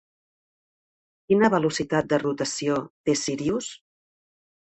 Quina velocitat de rotació té Sírius?